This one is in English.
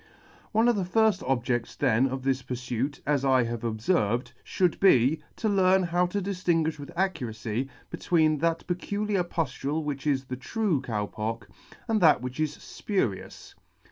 One of the firfl objedls then of this purfuit, as I have obferved, fhould be, to learn how to diftinguifh. with accuracy between that peculiar puftule which is the true Cow Pock, and that which is Jpurious.